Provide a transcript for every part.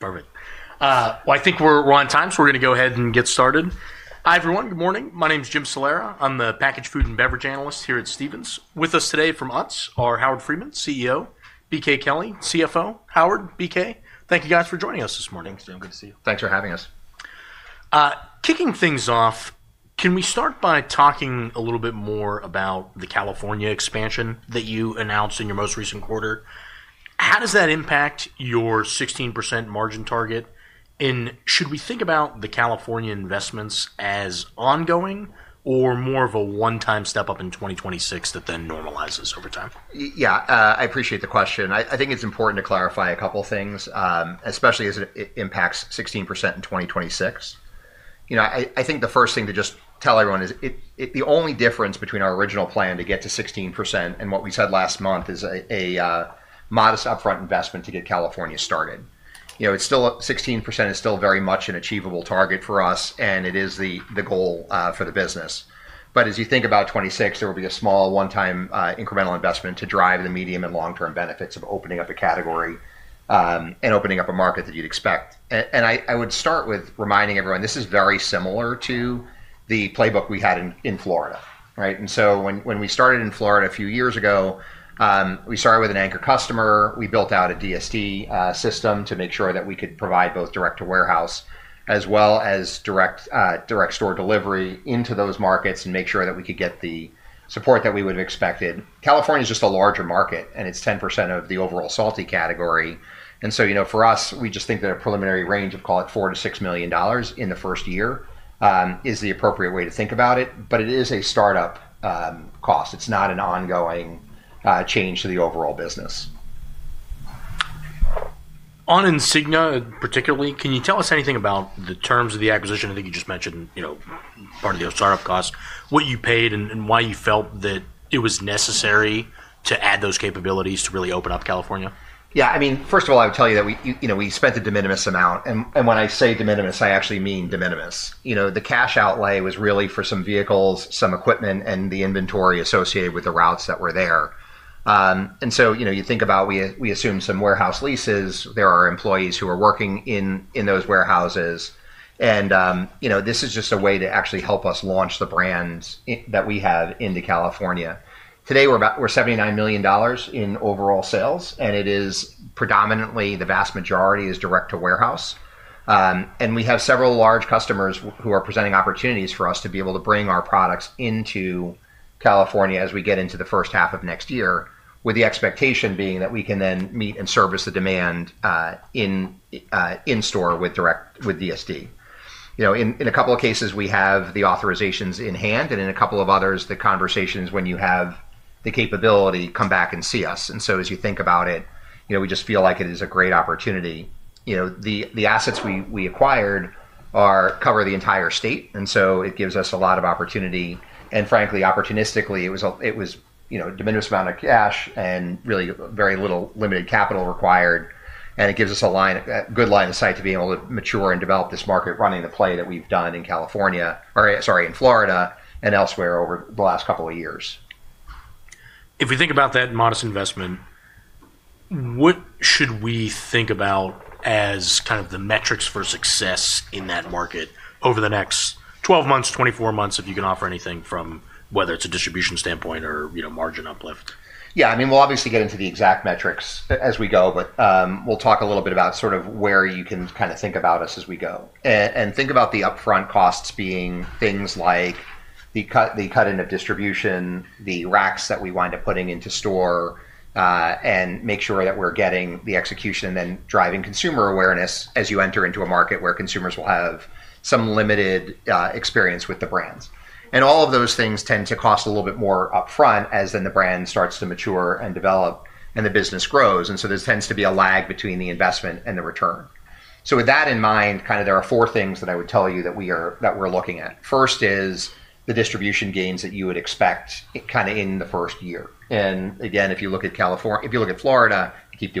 Perfect. I think we're on time, so we're going to go ahead and get started. Hi, everyone. Good morning. My name's Jim Salera. I'm the packaged food and beverage analyst here at Stephens. With us today from Utz are Howard Friedman, CEO, BK Kelley, CFO. Howard, BK, thank you, guys, for joining us this morning. Thanks, Jim. Good to see you. Thanks for having us. Kicking things off, can we start by talking a little bit more about the California expansion that you announced in your most recent quarter? How does that impact your 16% margin target? Should we think about the California investments as ongoing or more of a one-time step up in 2026 that then normalizes over time? Yeah, I appreciate the question. I think it's important to clarify a couple of things, especially as it impacts 16% in 2026. I think the first thing to just tell everyone is the only difference between our original plan to get to 16% and what we said last month is a modest upfront investment to get California started. 16% is still very much an achievable target for us, and it is the goal for the business. As you think about 2026, there will be a small, one-time incremental investment to drive the medium and long-term benefits of opening up a category and opening up a market that you'd expect. I would start with reminding everyone, this is very similar to the playbook we had in Florida. When we started in Florida a few years ago, we started with an anchor customer. We built out a DST system to make sure that we could provide both direct-to-warehouse as well as direct-store delivery into those markets and make sure that we could get the support that we would have expected. California is just a larger market, and it's 10% of the overall salty category. For us, we just think that a preliminary range of, call it, $4 million-$6 million in the first year is the appropriate way to think about it. It is a startup cost. It's not an ongoing change to the overall business. On Insignia particularly, can you tell us anything about the terms of the acquisition? I think you just mentioned part of the startup cost, what you paid and why you felt that it was necessary to add those capabilities to really open up California? Yeah. I mean, first of all, I would tell you that we spent a de minimis amount. And when I say de minimis, I actually mean de minimis. The cash outlay was really for some vehicles, some equipment, and the inventory associated with the routes that were there. You think about we assume some warehouse leases. There are employees who are working in those warehouses. This is just a way to actually help us launch the brands that we have into California. Today, we are $79 million in overall sales, and it is predominantly the vast majority is direct-to-warehouse. We have several large customers who are presenting opportunities for us to be able to bring our products into California as we get into the first half of next year, with the expectation being that we can then meet and service the demand in-store with DST. In a couple of cases, we have the authorizations in hand, and in a couple of others, the conversation is when you have the capability, come back and see us. As you think about it, we just feel like it is a great opportunity. The assets we acquired cover the entire state, and it gives us a lot of opportunity. Frankly, opportunistically, it was a diminished amount of cash and really very little limited capital required. It gives us a good line of sight to be able to mature and develop this market running the play that we've done in California, or sorry, in Florida and elsewhere over the last couple of years. If we think about that modest investment, what should we think about as kind of the metrics for success in that market over the next 12 months, 24 months, if you can offer anything from whether it's a distribution standpoint or margin uplift? Yeah. I mean, we'll obviously get into the exact metrics as we go, but we'll talk a little bit about sort of where you can kind of think about us as we go. Think about the upfront costs being things like the cutting of distribution, the racks that we wind up putting into store, and make sure that we're getting the execution and then driving consumer awareness as you enter into a market where consumers will have some limited experience with the brands. All of those things tend to cost a little bit more upfront as then the brand starts to mature and develop and the business grows. There tends to be a lag between the investment and the return. With that in mind, kind of there are four things that I would tell you that we're looking at. First is the distribution gains that you would expect kind of in the first year. If you look at Florida, you see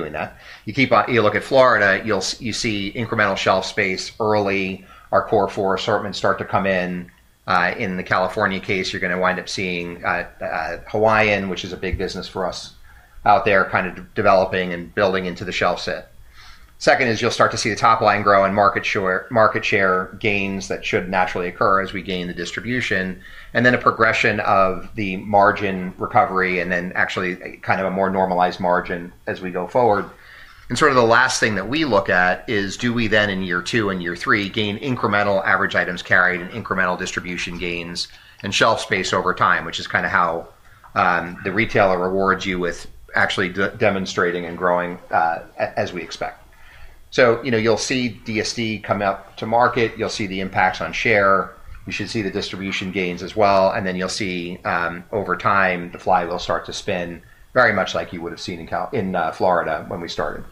incremental shelf space early. Our core four assortments start to come in. In the California case, you're going to wind up seeing Hawaiian, which is a big business for us out there, kind of developing and building into the shelf set. Second is you'll start to see the top line grow and market share gains that should naturally occur as we gain the distribution, and then a progression of the margin recovery and then actually kind of a more normalized margin as we go forward. The last thing that we look at is do we then in year two and year three gain incremental average items carried and incremental distribution gains and shelf space over time, which is kind of how the retailer rewards you with actually demonstrating and growing as we expect. You will see DST come out to market. You will see the impacts on share. You should see the distribution gains as well. You will see over time the flywheel start to spin very much like you would have seen in Florida when we started.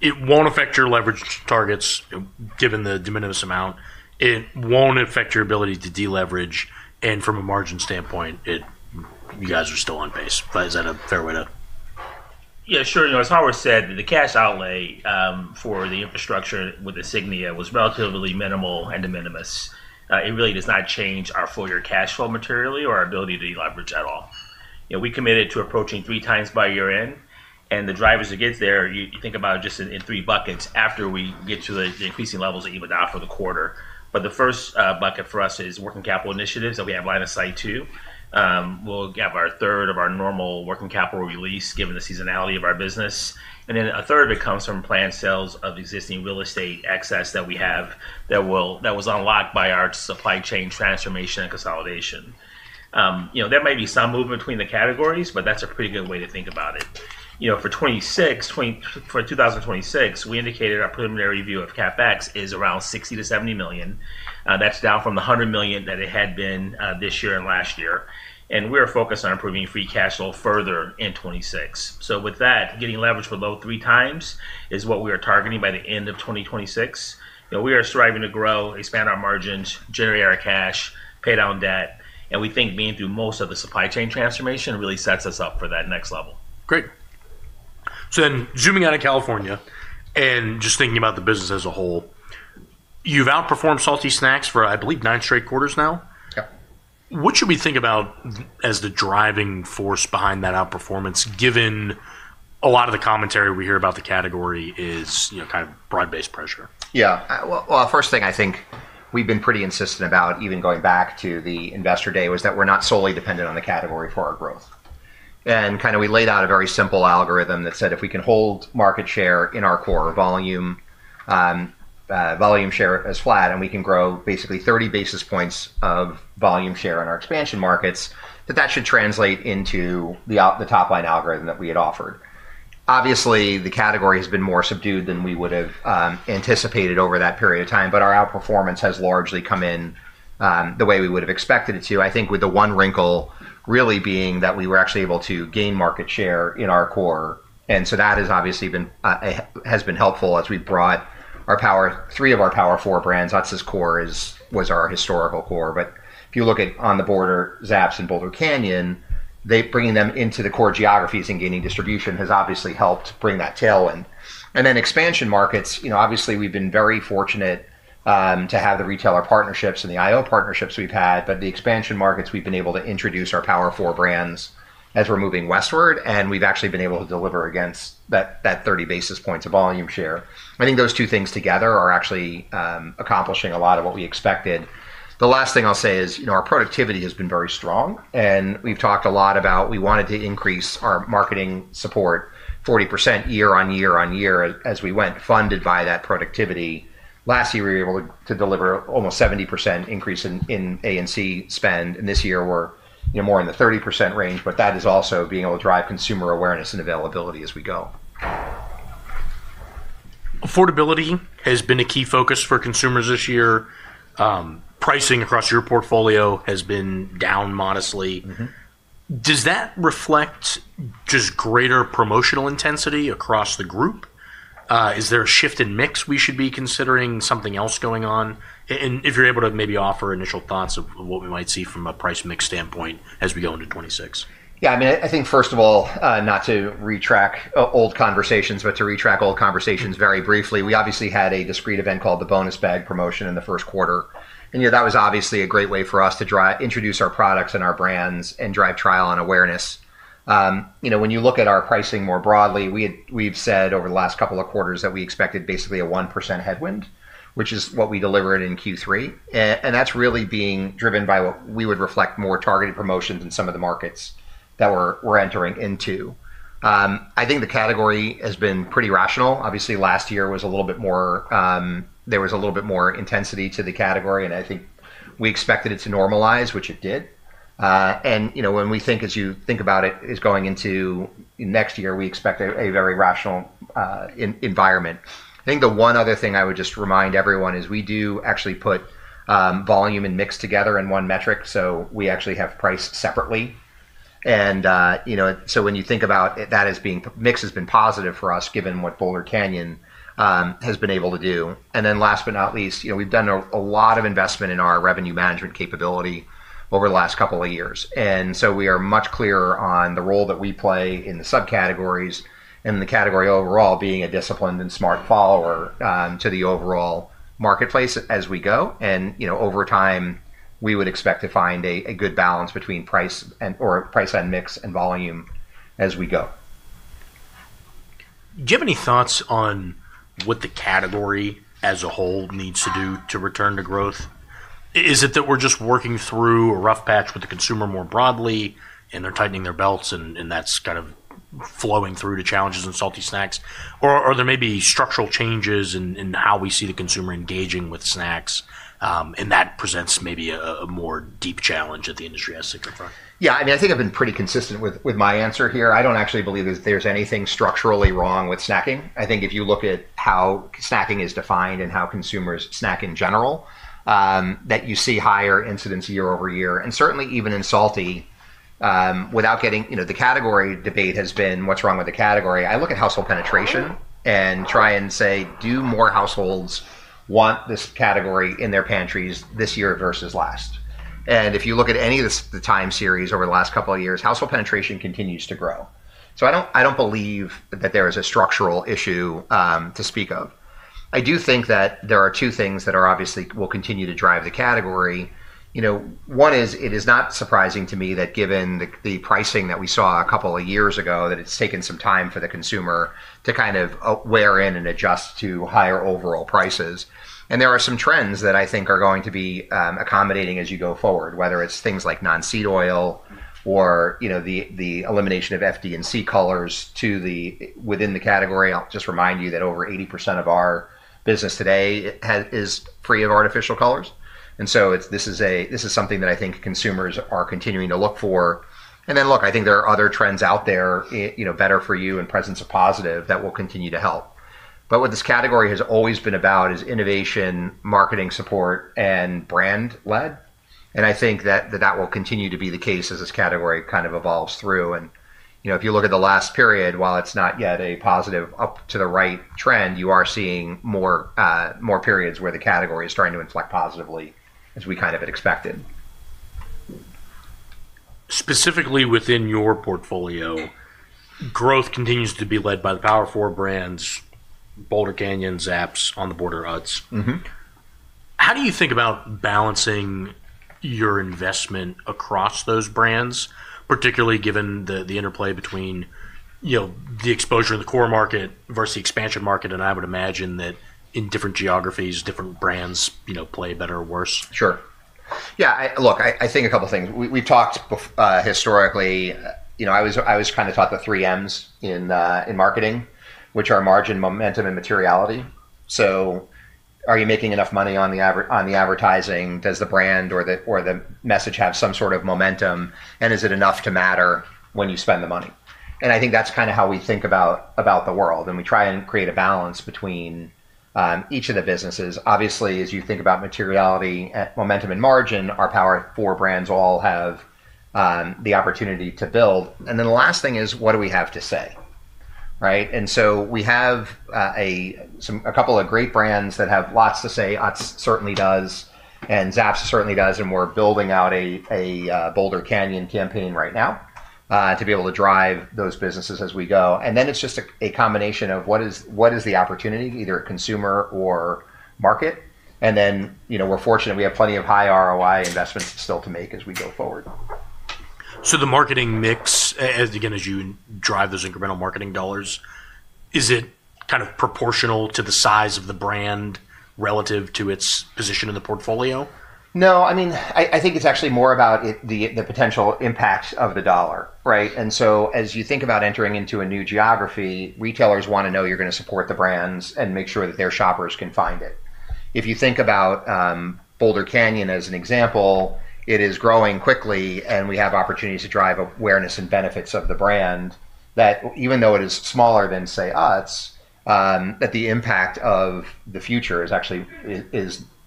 It won't affect your leverage targets given the de minimis amount. It won't affect your ability to deleverage. And from a margin standpoint, you guys are still on pace. Is that a fair way to? Yeah, sure. As Howard said, the cash outlay for the infrastructure with Insignia was relatively minimal and de minimis. It really does not change our full year cash flow materially or our ability to deleverage at all. We committed to approaching 3x by year end. The drivers that get there, you think about just in three buckets after we get to the increasing levels that you would offer the quarter. The first bucket for us is working capital initiatives that we have line of sight to. We'll have a third of our normal working capital release given the seasonality of our business. Then a third that comes from planned sales of existing real estate excess that we have that was unlocked by our supply chain transformation and consolidation. There may be some movement between the categories, but that's a pretty good way to think about it. For 2026, we indicated our preliminary review of CapEx is around $60 million-$70 million. That's down from the $100 million that it had been this year and last year. We're focused on improving free cash flow further in 2026. With that, getting leverage below 3x is what we are targeting by the end of 2026. We are striving to grow, expand our margins, generate our cash, pay down debt. We think being through most of the supply chain transformation really sets us up for that next level. Great. Then zooming out of California and just thinking about the business as a whole, you've outperformed Salty Snacks for, I believe, nine straight quarters now. What should we think about as the driving force behind that outperformance given a lot of the commentary we hear about the category is kind of broad-based pressure? Yeah. The first thing I think we've been pretty insistent about, even going back to the investor day, was that we're not solely dependent on the category for our growth. We laid out a very simple algorithm that said if we can hold market share in our core volume share as flat and we can grow basically 30 basis points of volume share in our expansion markets, that should translate into the top line algorithm that we had offered. Obviously, the category has been more subdued than we would have anticipated over that period of time, but our outperformance has largely come in the way we would have expected it to. I think with the one wrinkle really being that we were actually able to gain market share in our core. That has obviously been helpful as we've brought our power three of our power four brands. Utz's core was our historical core. If you look at On the Border, Zapps, and Boulder Canyon, bringing them into the core geographies and gaining distribution has obviously helped bring that tailwind. Expansion markets, obviously, we've been very fortunate to have the retailer partnerships and the IO partnerships we've had. The expansion markets, we've been able to introduce our power four brands as we're moving westward, and we've actually been able to deliver against that 30 basis points of volume share. I think those two things together are actually accomplishing a lot of what we expected. The last thing I'll say is our productivity has been very strong. We have talked a lot about we wanted to increase our marketing support 40% year-on-year as we went, funded by that productivity. Last year, we were able to deliver almost 70% increase in ANC spend. This year, we are more in the 30% range, but that is also being able to drive consumer awareness and availability as we go. Affordability has been a key focus for consumers this year. Pricing across your portfolio has been down modestly. Does that reflect just greater promotional intensity across the group? Is there a shift in mix we should be considering, something else going on? If you're able to, maybe offer initial thoughts of what we might see from a price mix standpoint as we go into 2026? Yeah. I mean, I think first of all, not to retrack old conversations, but to retrack old conversations very briefly. We obviously had a discreet event called the bonus pack program in the first quarter. And that was obviously a great way for us to introduce our products and our brands and drive trial and awareness. When you look at our pricing more broadly, we've said over the last couple of quarters that we expected basically a 1% headwind, which is what we delivered in Q3. And that's really being driven by what we would reflect more targeted promotions in some of the markets that we're entering into. I think the category has been pretty rational. Obviously, last year was a little bit more, there was a little bit more intensity to the category. I think we expected it to normalize, which it did. When we think as you think about it is going into next year, we expect a very rational environment. I think the one other thing I would just remind everyone is we do actually put volume and mix together in one metric. We actually have price separately. When you think about that as being mix has been positive for us given what Boulder Canyon has been able to do. Last but not least, we've done a lot of investment in our revenue management capability over the last couple of years. We are much clearer on the role that we play in the subcategories and the category overall, being a disciplined and smart follower to the overall marketplace as we go. Over time, we would expect to find a good balance between price and mix and volume as we go. Do you have any thoughts on what the category as a whole needs to do to return to growth? Is it that we're just working through a rough patch with the consumer more broadly and they're tightening their belts and that's kind of flowing through to challenges in Salty Snacks? Or are there maybe structural changes in how we see the consumer engaging with snacks? That presents maybe a more deep challenge that the industry has to confront? Yeah. I mean, I think I've been pretty consistent with my answer here. I don't actually believe that there's anything structurally wrong with snacking. I think if you look at how snacking is defined and how consumers snack in general, that you see higher incidence year over year. Certainly even in Salty, without getting into the category debate, has been what's wrong with the category. I look at household penetration and try and say, do more households want this category in their pantries this year versus last? If you look at any of the time series over the last couple of years, household penetration continues to grow. I don't believe that there is a structural issue to speak of. I do think that there are two things that obviously will continue to drive the category. One is it is not surprising to me that given the pricing that we saw a couple of years ago, that it's taken some time for the consumer to kind of wear in and adjust to higher overall prices. There are some trends that I think are going to be accommodating as you go forward, whether it's things like non-seed oil or the elimination of FD&C colors within the category. I'll just remind you that over 80% of our business today is free of artificial colors. This is something that I think consumers are continuing to look for. I think there are other trends out there, better for you and presence of positive that will continue to help. What this category has always been about is innovation, marketing support, and brand-led. I think that that will continue to be the case as this category kind of evolves through. If you look at the last period, while it's not yet a positive up to the right trend, you are seeing more periods where the category is trying to inflect positively as we kind of had expected. Specifically within your portfolio, growth continues to be led by the power four brands, Boulder Canyon, Zapps, On the Border, Utz. How do you think about balancing your investment across those brands, particularly given the interplay between the exposure in the core market versus the expansion market? I would imagine that in different geographies, different brands play better or worse. Sure. Yeah. Look, I think a couple of things. We've talked historically. I always kind of talk the three Ms in marketing, which are margin, momentum, and materiality. So are you making enough money on the advertising? Does the brand or the message have some sort of momentum? And is it enough to matter when you spend the money? I think that's kind of how we think about the world. We try and create a balance between each of the businesses. Obviously, as you think about materiality, momentum, and margin, our power four brands all have the opportunity to build. The last thing is what do we have to say? Right? We have a couple of great brands that have lots to say. Utz certainly does. Zapps certainly does. We're building out a Boulder Canyon campaign right now to be able to drive those businesses as we go. It is just a combination of what is the opportunity, either consumer or market. We're fortunate we have plenty of high ROI investments still to make as we go forward. The marketing mix, again, as you drive those incremental marketing dollars, is it kind of proportional to the size of the brand relative to its position in the portfolio? No. I mean, I think it's actually more about the potential impact of the dollar. Right? As you think about entering into a new geography, retailers want to know you're going to support the brands and make sure that their shoppers can find it. If you think about Boulder Canyon as an example, it is growing quickly. We have opportunities to drive awareness and benefits of the brand that even though it is smaller than, say, Utz, the impact of the future is actually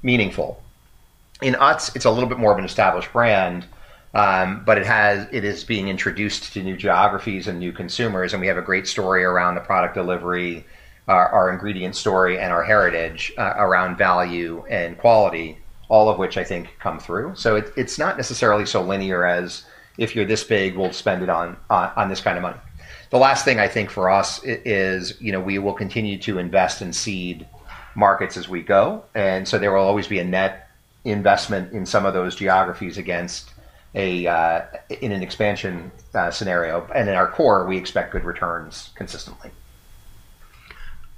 meaningful. In Utz, it's a little bit more of an established brand, but it is being introduced to new geographies and new consumers. We have a great story around the product delivery, our ingredient story, and our heritage around value and quality, all of which I think come through. It's not necessarily so linear as if you're this big, we'll spend it on this kind of money. The last thing I think for us is we will continue to invest in seed markets as we go. There will always be a net investment in some of those geographies in an expansion scenario. In our core, we expect good returns consistently.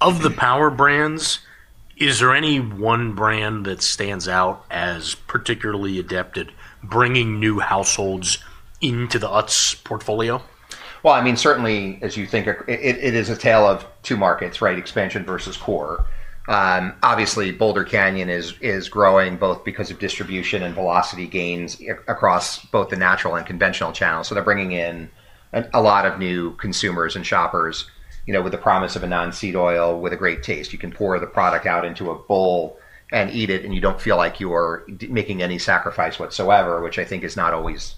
Of the power brands, is there any one brand that stands out as particularly adept at bringing new households into the Utz portfolio? I mean, certainly, as you think, it is a tale of two markets, right? Expansion versus core. Obviously, Boulder Canyon is growing both because of distribution and velocity gains across both the natural and conventional channels. So they're bringing in a lot of new consumers and shoppers with the promise of a non-seed oil with a great taste. You can pour the product out into a bowl and eat it, and you do not feel like you're making any sacrifice whatsoever, which I think is not always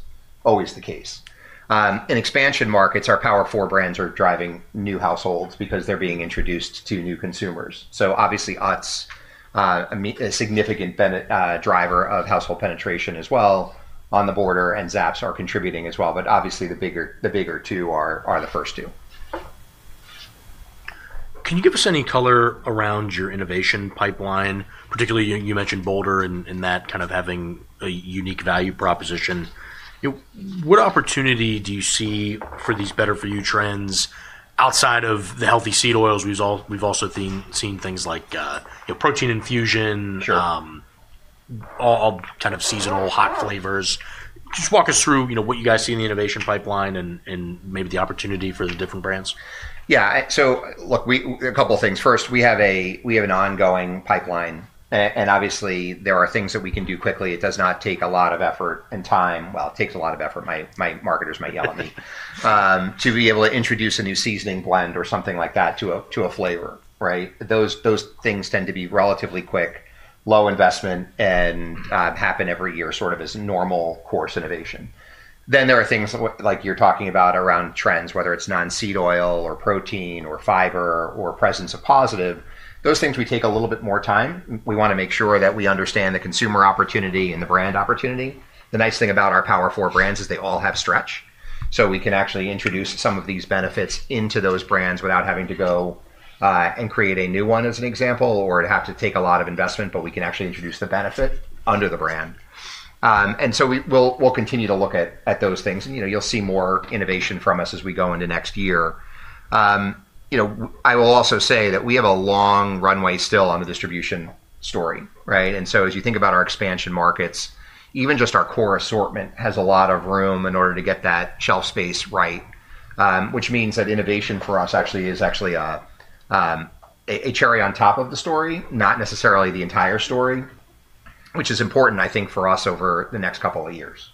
the case. In expansion markets, our power four brands are driving new households because they're being introduced to new consumers. Obviously, Utz is a significant driver of household penetration as well. On the Border and Zapps are contributing as well. Obviously, the bigger two are the first two. Can you give us any color around your innovation pipeline? Particularly, you mentioned Boulder in that kind of having a unique value proposition. What opportunity do you see for these better-for-you trends outside of the healthy seed oils? We've also seen things like protein infusion, all kind of seasonal hot flavors. Just walk us through what you guys see in the innovation pipeline and maybe the opportunity for the different brands. Yeah. Look, a couple of things. First, we have an ongoing pipeline. Obviously, there are things that we can do quickly. It does not take a lot of effort and time—it takes a lot of effort, my marketers might yell at me—to be able to introduce a new seasoning blend or something like that to a flavor. Right? Those things tend to be relatively quick, low investment, and happen every year as normal course innovation. There are things like you are talking about around trends, whether it is non-seed oil or protein or fiber or presence of positive. Those things we take a little bit more time. We want to make sure that we understand the consumer opportunity and the brand opportunity. The nice thing about our power four brands is they all have stretch. We can actually introduce some of these benefits into those brands without having to go and create a new one as an example or have to take a lot of investment, but we can actually introduce the benefit under the brand. We will continue to look at those things. You will see more innovation from us as we go into next year. I will also say that we have a long runway still on the distribution story. Right? As you think about our expansion markets, even just our core assortment has a lot of room in order to get that shelf space right, which means that innovation for us actually is a cherry on top of the story, not necessarily the entire story, which is important, I think, for us over the next couple of years.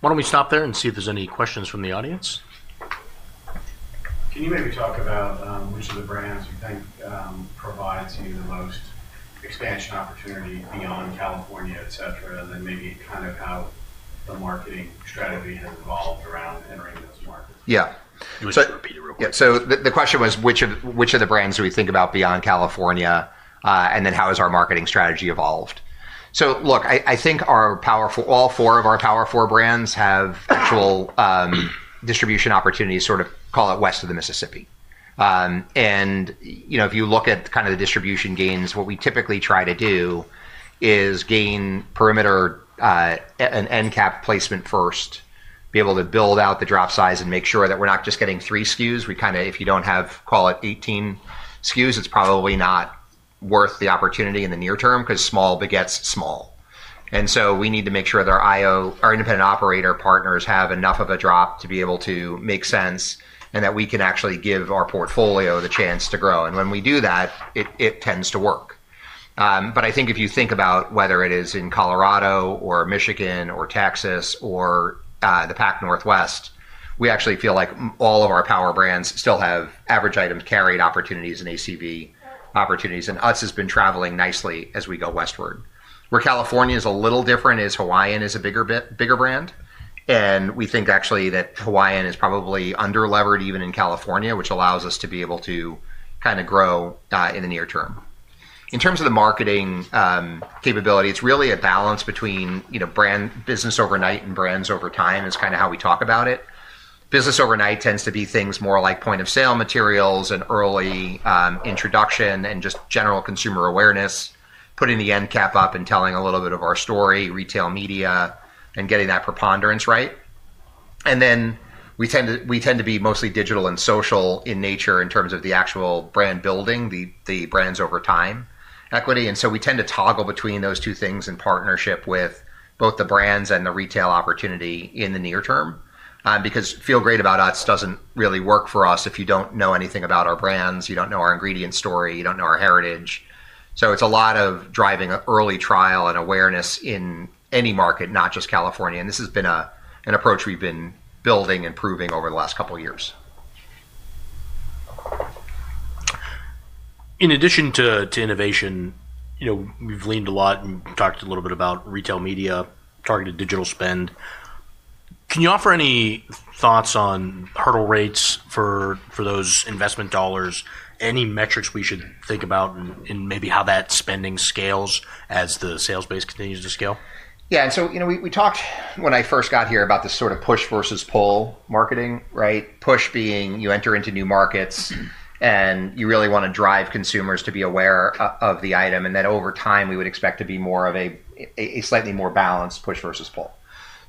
Why don't we stop there and see if there's any questions from the audience? Can you maybe talk about which of the brands you think provides you the most expansion opportunity beyond California, etc., and then maybe kind of how the marketing strategy has evolved around entering those markets? Yeah. You wish you could repeat it real quick. Yeah. The question was, which of the brands do we think about beyond California? And then how has our marketing strategy evolved? Look, I think all four of our power four brands have actual distribution opportunities, sort of call it west of the Mississippi. If you look at kind of the distribution gains, what we typically try to do is gain perimeter and end cap placement first, be able to build out the drop size and make sure that we're not just getting three SKUs. We kind of, if you do not have, call it 18 SKUs, it is probably not worth the opportunity in the near term because small begets small. We need to make sure that our independent operator partners have enough of a drop to be able to make sense and that we can actually give our portfolio the chance to grow. When we do that, it tends to work. I think if you think about whether it is in Colorado or Michigan or Texas or the Pacific Northwest, we actually feel like all of our power brands still have average item carried opportunities and ACV opportunities. Utz has been traveling nicely as we go westward. Where California is a little different is Hawaiian is a bigger brand. We think actually that Hawaiian is probably underlevered even in California, which allows us to be able to kind of grow in the near term. In terms of the marketing capability, it's really a balance between business overnight and brands over time is kind of how we talk about it. Business overnight tends to be things more like point of sale materials and early introduction and just general consumer awareness, putting the end cap up and telling a little bit of our story, retail media, and getting that preponderance right. We tend to be mostly digital and social in nature in terms of the actual brand building, the brands over time equity. We tend to toggle between those two things in partnership with both the brands and the retail opportunity in the near term because feel great about Utz does not really work for us if you do not know anything about our brands, you do not know our ingredient story, you do not know our heritage. It is a lot of driving early trial and awareness in any market, not just California. This has been an approach we have been building and proving over the last couple of years. In addition to innovation, we've leaned a lot and talked a little bit about retail media, targeted digital spend. Can you offer any thoughts on hurdle rates for those investment dollars, any metrics we should think about, and maybe how that spending scales as the sales base continues to scale? Yeah. We talked when I first got here about this sort of push versus pull marketing, right? Push being you enter into new markets and you really want to drive consumers to be aware of the item. Over time, we would expect to be more of a slightly more balanced push versus pull.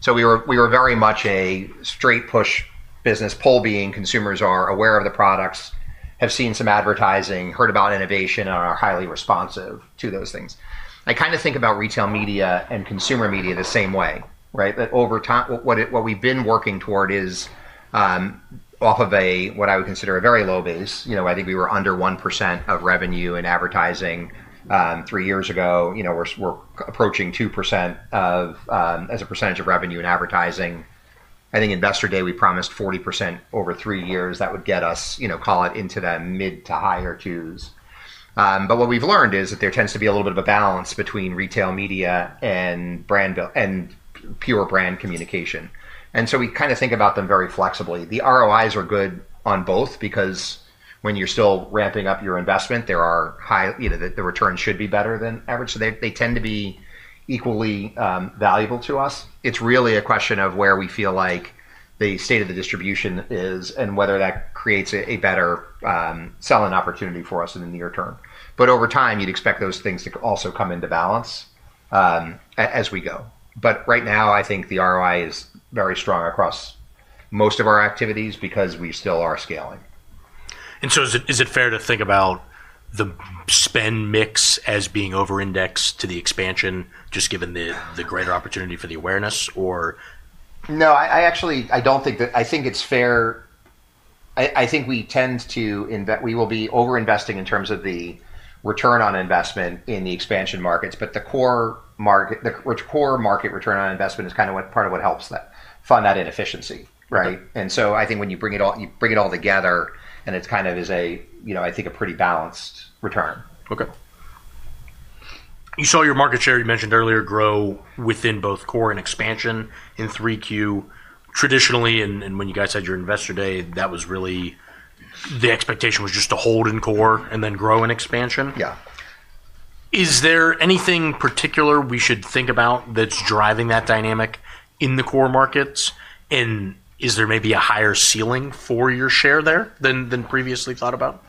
We were very much a straight push business, pull being consumers are aware of the products, have seen some advertising, heard about innovation, and are highly responsive to those things. I kind of think about retail media and consumer media the same way, right? Over time, what we have been working toward is off of what I would consider a very low base. I think we were under 1% of revenue in advertising three years ago. We are approaching 2% as a percentage of revenue in advertising. I think investor day, we promised 40% over three years. That would get us, call it into the mid to higher twos. What we've learned is that there tends to be a little bit of a balance between retail media and pure brand communication. We kind of think about them very flexibly. The ROIs are good on both because when you're still ramping up your investment, the returns should be better than average. They tend to be equally valuable to us. It's really a question of where we feel like the state of the distribution is and whether that creates a better selling opportunity for us in the near term. Over time, you'd expect those things to also come into balance as we go. Right now, I think the ROI is very strong across most of our activities because we still are scaling. Is it fair to think about the spend mix as being over-indexed to the expansion, just given the greater opportunity for the awareness? No, I actually don't think that. I think it's fair. I think we tend to, we will be over-investing in terms of the return on investment in the expansion markets. The core market return on investment is kind of part of what helps fund that inefficiency, right? I think when you bring it all together, it kind of is, I think, a pretty balanced return. Okay. You saw your market share you mentioned earlier grow within both core and expansion in Q3. Traditionally, and when you guys had your investor day, that was really the expectation was just to hold in core and then grow in expansion. Yeah. Is there anything particular we should think about that's driving that dynamic in the core markets? Is there maybe a higher ceiling for your share there than previously thought about?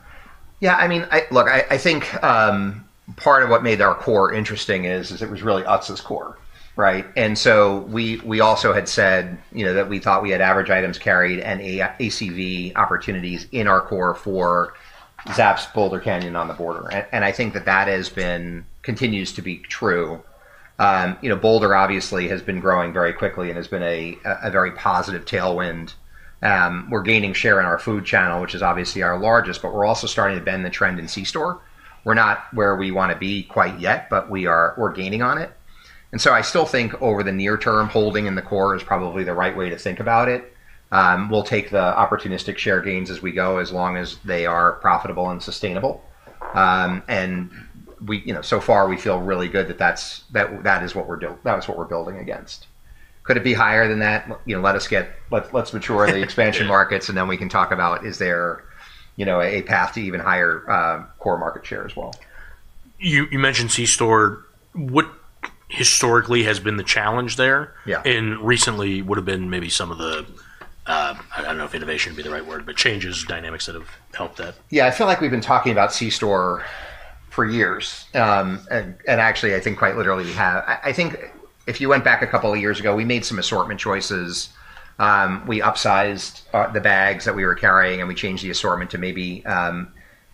Yeah. I mean, look, I think part of what made our core interesting is it was really Utz's core, right? I mean, we also had said that we thought we had average items carried and ACV opportunities in our core for Zapps, Boulder Canyon, On the Border. I think that that has been, continues to be true. Boulder, obviously, has been growing very quickly and has been a very positive tailwind. We're gaining share in our food channel, which is obviously our largest, but we're also starting to bend the trend in Seastore. We're not where we want to be quite yet, but we're gaining on it. I still think over the neart-term, holding in the core is probably the right way to think about it. We'll take the opportunistic share gains as we go as long as they are profitable and sustainable. So far, we feel really good that that is what we're building against. Could it be higher than that? Let us mature the expansion markets, and then we can talk about is there a path to even higher core market share as well. You mentioned Seastore. What historically has been the challenge there? Recently, what have been maybe some of the—I do not know if innovation would be the right word, but changes, dynamics that have helped that? Yeah. I feel like we've been talking about Seastore for years. Actually, I think quite literally we have. I think if you went back a couple of years ago, we made some assortment choices. We upsized the bags that we were carrying, and we changed the assortment to maybe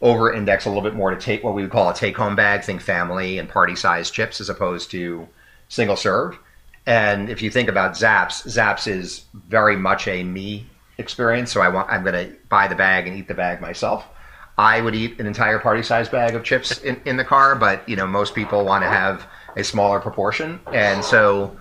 over-index a little bit more to take what we would call a take-home bag, think family and party-sized chips as opposed to single-serve. If you think about Zapps, Zapps is very much a me experience. I'm going to buy the bag and eat the bag myself. I would eat an entire party-sized bag of chips in the car, but most people want to have a smaller proportion. We got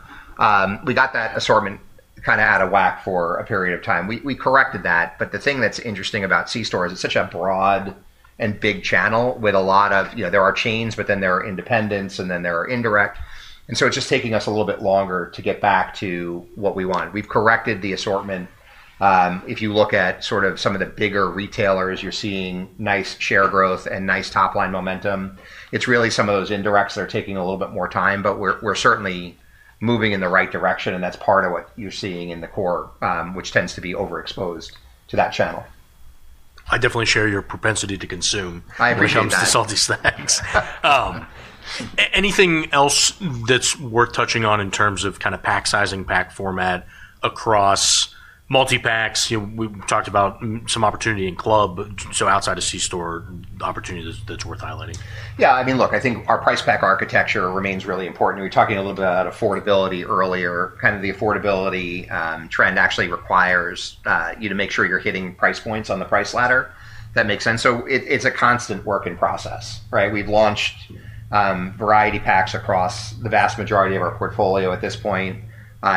that assortment kind of out of whack for a period of time. We corrected that. The thing that's interesting about Seastore is it's such a broad and big channel with a lot of—there are chains, but then there are independents, and then there are indirect. It is just taking us a little bit longer to get back to what we want. We've corrected the assortment. If you look at sort of some of the bigger retailers, you're seeing nice share growth and nice top-line momentum. It is really some of those indirects that are taking a little bit more time, but we're certainly moving in the right direction. That's part of what you're seeing in the core, which tends to be overexposed to that channel. I definitely share your propensity to consume when it comes to salty snacks. Anything else that's worth touching on in terms of kind of pack sizing, pack format across multi-packs? We talked about some opportunity in club. Outside of Seastore, opportunity that's worth highlighting. Yeah. I mean, look, I think our price pack architecture remains really important. We were talking a little bit about affordability earlier. Kind of the affordability trend actually requires you to make sure you're hitting price points on the price ladder. If that makes sense. So it's a constant work in process, right? We've launched variety packs across the vast majority of our portfolio at this point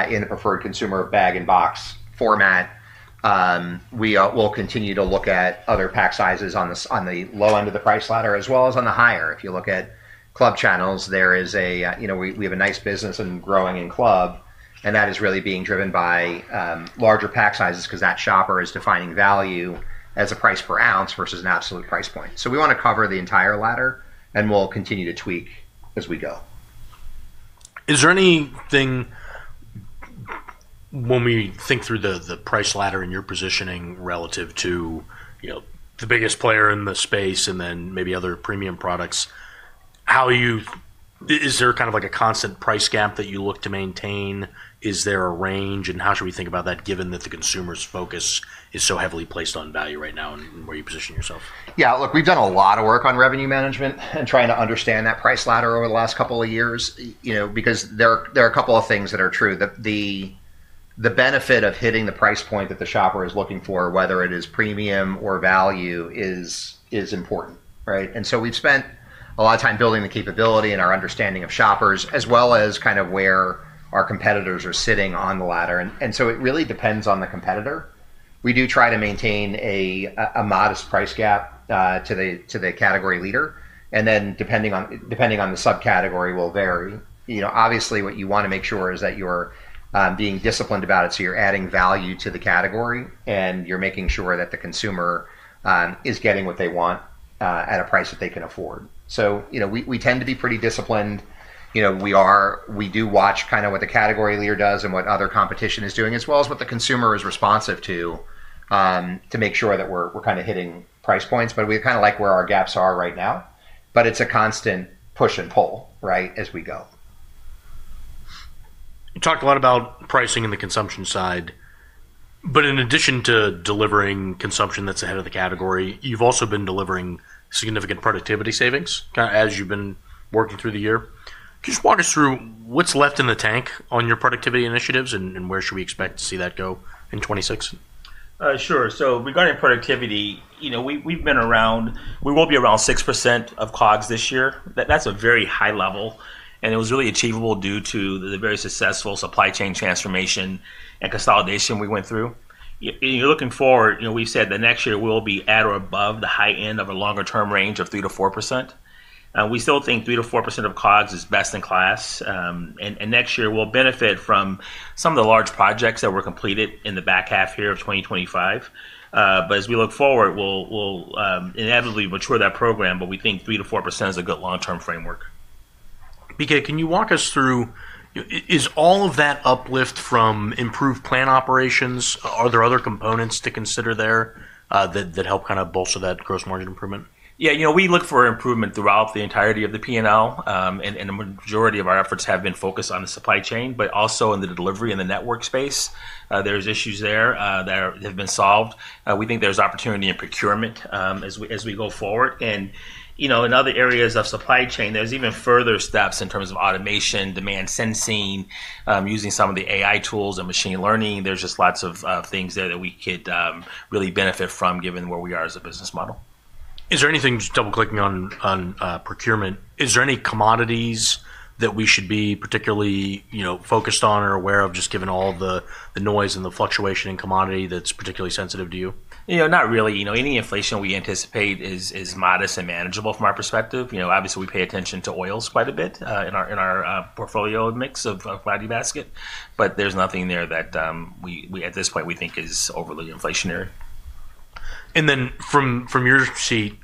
in the preferred consumer bag and box format. We will continue to look at other pack sizes on the low end of the price ladder as well as on the higher. If you look at club channels, we have a nice business and growing in club, and that is really being driven by larger pack sizes because that shopper is defining value as a price per ounce versus an absolute price point. We want to cover the entire ladder, and we'll continue to tweak as we go. Is there anything when we think through the price ladder and your positioning relative to the biggest player in the space and then maybe other premium products, how you—is there kind of like a constant price gap that you look to maintain? Is there a range? How should we think about that given that the consumer's focus is so heavily placed on value right now and where you position yourself? Yeah. Look, we've done a lot of work on revenue management and trying to understand that price ladder over the last couple of years because there are a couple of things that are true. The benefit of hitting the price point that the shopper is looking for, whether it is premium or value, is important, right? We've spent a lot of time building the capability and our understanding of shoppers as well as kind of where our competitors are sitting on the ladder. It really depends on the competitor. We do try to maintain a modest price gap to the category leader. Depending on the subcategory will vary. Obviously, what you want to make sure is that you're being disciplined about it. You are adding value to the category, and you are making sure that the consumer is getting what they want at a price that they can afford. We tend to be pretty disciplined. We do watch kind of what the category leader does and what other competition is doing, as well as what the consumer is responsive to, to make sure that we are kind of hitting price points. We kind of like where our gaps are right now. It is a constant push and pull, right, as we go. You talked a lot about pricing and the consumption side. In addition to delivering consumption that's ahead of the category, you've also been delivering significant productivity savings as you've been working through the year. Could you just walk us through what's left in the tank on your productivity initiatives, and where should we expect to see that go in 2026? Sure. So regarding productivity, we've been around—we will be around 6% of COGS this year. That's a very high level. It was really achievable due to the very successful supply chain transformation and consolidation we went through. Looking forward, we've said that next year we'll be at or above the high end of a longer-term range of 3%-4%. We still think 3%-4% of COGS is best in class. Next year, we'll benefit from some of the large projects that were completed in the back half here of 2025. As we look forward, we'll inevitably mature that program. We think 3%-4% is a good long-term framework. BK, can you walk us through—is all of that uplift from improved plant operations? Are there other components to consider there that help kind of bolster that gross margin improvement? Yeah. We look for improvement throughout the entirety of the P&L. The majority of our efforts have been focused on the supply chain, but also in the delivery and the network space. There are issues there that have been solved. We think there is opportunity in procurement as we go forward. In other areas of supply chain, there are even further steps in terms of automation, demand sensing, using some of the AI tools and machine learning. There are just lots of things there that we could really benefit from given where we are as a business model. Is there anything, just double-clicking on procurement, is there any commodities that we should be particularly focused on or aware of, just given all the noise and the fluctuation in commodity that's particularly sensitive to you? Not really. Any inflation we anticipate is modest and manageable from our perspective. Obviously, we pay attention to oils quite a bit in our portfolio mix of flaggy basket. There is nothing there that, at this point, we think is overly inflationary. From your seat,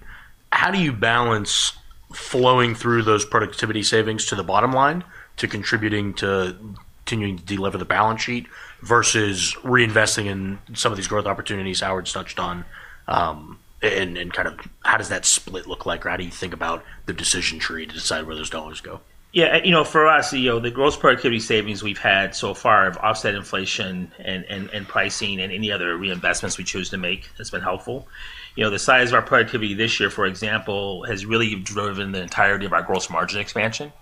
how do you balance flowing through those productivity savings to the bottom line to contributing to continuing to deliver the balance sheet versus reinvesting in some of these growth opportunities Howard's touched on? Kind of how does that split look like, or how do you think about the decision tree to decide where those dollars go? Yeah. For us, the gross productivity savings we've had so far have offset inflation and pricing and any other reinvestments we choose to make. That's been helpful. The size of our productivity this year, for example, has really driven the entirety of our gross margin expansion.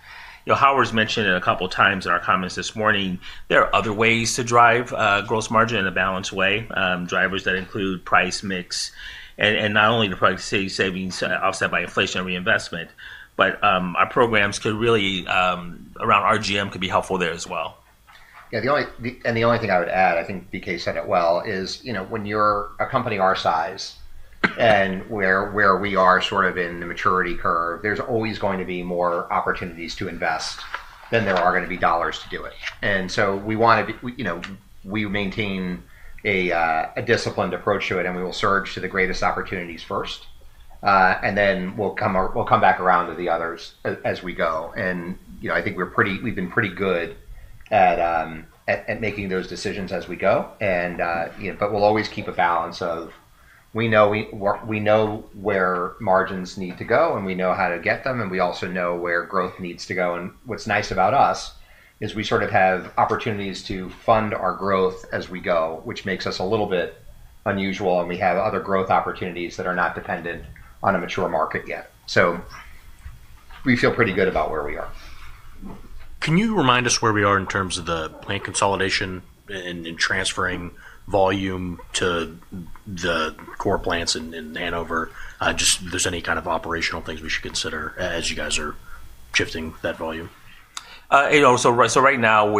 Howard's mentioned it a couple of times in our comments this morning. There are other ways to drive gross margin in a balanced way, drivers that include price mix. Not only the productivity savings offset by inflation and reinvestment, but our programs really around RGM could be helpful there as well. Yeah. The only thing I would add, I think BK said it well, is when you're a company our size and where we are sort of in the maturity curve, there's always going to be more opportunities to invest than there are going to be dollars to do it. We want to—we maintain a disciplined approach to it, and we will surge to the greatest opportunities first. We will come back around to the others as we go. I think we've been pretty good at making those decisions as we go. We'll always keep a balance of we know where margins need to go, and we know how to get them, and we also know where growth needs to go. What is nice about us is we sort of have opportunities to fund our growth as we go, which makes us a little bit unusual. We have other growth opportunities that are not dependent on a mature market yet. We feel pretty good about where we are. Can you remind us where we are in terms of the plant consolidation and transferring volume to the core plants in Hanover? Just if there is any kind of operational things we should consider as you guys are shifting that volume. Right now,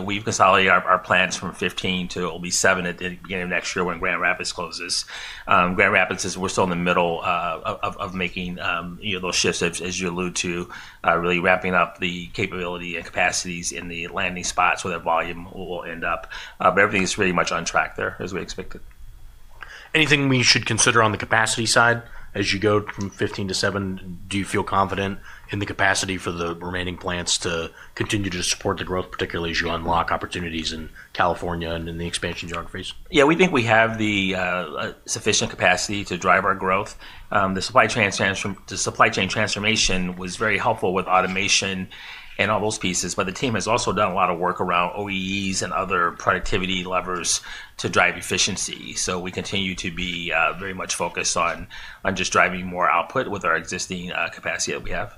we've consolidated our plants from 15 to it'll be seven at the beginning of next year when Grand Rapids closes. Grand Rapids, we're still in the middle of making those shifts, as you allude to, really ramping up the capability and capacities in the landing spots where that volume will end up. Everything is pretty much on track there as we expected. Anything we should consider on the capacity side as you go from 15-7? Do you feel confident in the capacity for the remaining plants to continue to support the growth, particularly as you unlock opportunities in California and in the expansion geographies? Yeah. We think we have the sufficient capacity to drive our growth. The supply chain transformation was very helpful with automation and all those pieces. The team has also done a lot of work around OEE and other productivity levers to drive efficiency. We continue to be very much focused on just driving more output with our existing capacity that we have.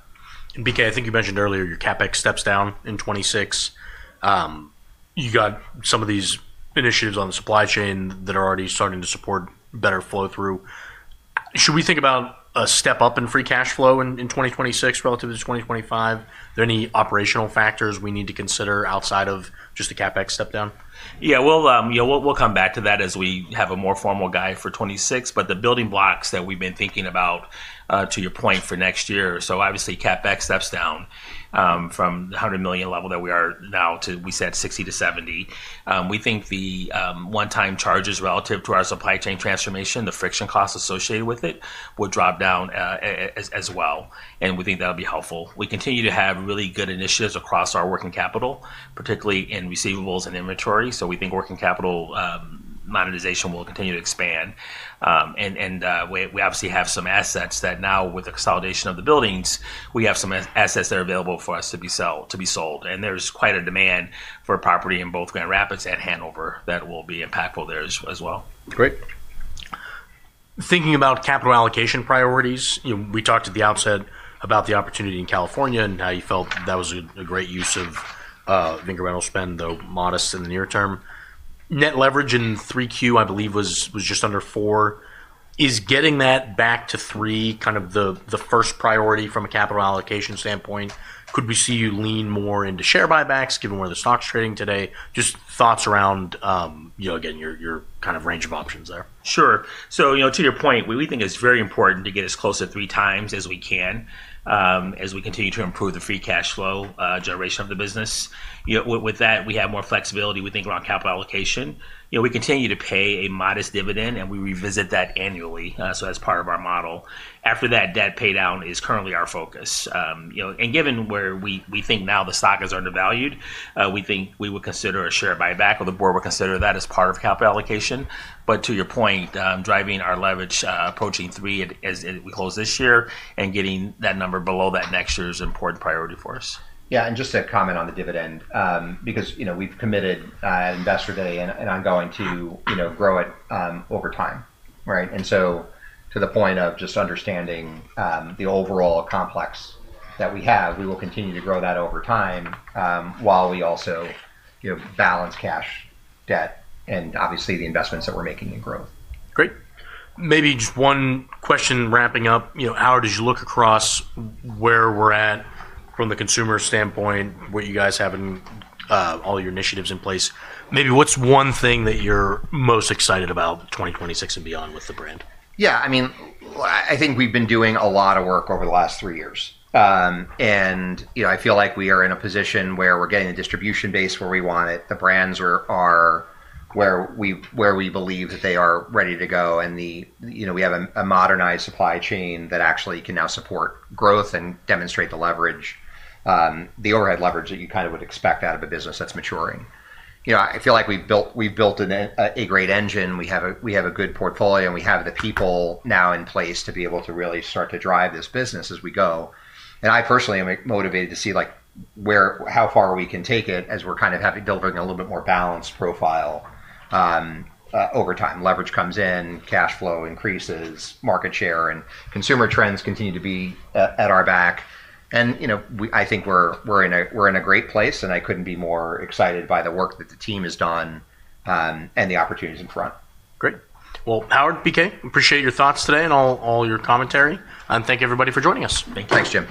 BK, I think you mentioned earlier your CapEx steps down in 2026. You got some of these initiatives on the supply chain that are already starting to support better flow-through. Should we think about a step up in free cash flow in 2026 relative to 2025? Are there any operational factors we need to consider outside of just the CapEx step down? Yeah. We'll come back to that as we have a more formal guide for 2026. The building blocks that we've been thinking about, to your point, for next year. Obviously, CapEx steps down from the $100 million level that we are now to we said $60 million-$70 million. We think the one-time charges relative to our supply chain transformation, the friction costs associated with it, will drop down as well. We think that'll be helpful. We continue to have really good initiatives across our working capital, particularly in receivables and inventory. We think working capital monetization will continue to expand. We obviously have some assets that now, with the consolidation of the buildings, we have some assets that are available for us to be sold. There's quite a demand for property in both Grand Rapids and Hanover that will be impactful there as well. Great. Thinking about capital allocation priorities, we talked at the outset about the opportunity in California and how you felt that was a great use of incremental spend, though modest in the near term. Net leverage in 3Q, I believe, was just under four. Is getting that back to three kind of the first priority from a capital allocation standpoint? Could we see you lean more into share buybacks given where the stock's trading today? Just thoughts around, again, your kind of range of options there. Sure. To your point, we think it's very important to get as close to 3x as we can as we continue to improve the free cash flow generation of the business. With that, we have more flexibility, we think, around capital allocation. We continue to pay a modest dividend, and we revisit that annually. That's part of our model. After that, debt paydown is currently our focus. Given where we think now the stock is undervalued, we think we would consider a share buyback, or the board would consider that as part of capital allocation. To your point, driving our leverage approaching 3x as we close this year and getting that number below that next year is an important priority for us. Yeah. Just to comment on the dividend, because we've committed at Investor Day and ongoing to grow it over time, right? To the point of just understanding the overall complex that we have, we will continue to grow that over time while we also balance cash, debt, and obviously the investments that we're making in growth. Great. Maybe just one question wrapping up. Howard, as you look across where we're at from the consumer standpoint, what you guys have and all your initiatives in place, maybe what's one thing that you're most excited about 2026 and beyond with the brand? Yeah. I mean, I think we've been doing a lot of work over the last three years. I feel like we are in a position where we're getting the distribution base where we want it. The brands are where we believe that they are ready to go. We have a modernized supply chain that actually can now support growth and demonstrate the leverage, the overhead leverage that you kind of would expect out of a business that's maturing. I feel like we've built a great engine. We have a good portfolio. We have the people now in place to be able to really start to drive this business as we go. I personally am motivated to see how far we can take it as we're kind of delivering a little bit more balanced profile over time. Leverage comes in, cash flow increases, market share, and consumer trends continue to be at our back. I think we're in a great place. I couldn't be more excited by the work that the team has done and the opportunities in front. Great. Howard, BK, appreciate your thoughts today and all your commentary. Thank you, everybody, for joining us. Thank you. Thanks, Jim.